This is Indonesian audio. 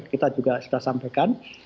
kita juga sudah sampaikan